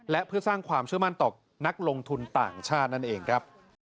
และเพื่อสร้างความเชื่อมั่นต่อนักลงทุนต่างชาตินั่นเองครับ